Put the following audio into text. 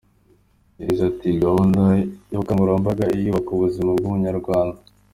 Yagize ati “Iyi gahunda y’ubukangurambaga ni iyubaka ubuzima bw’Umunyarwanda.